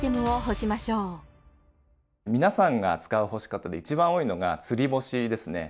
皆さんが使う干し方で一番多いのが「つり干し」ですね。